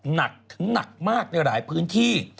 หนักถึงหนักมากในหลายพื้นที่